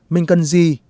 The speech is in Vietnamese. mình cần gì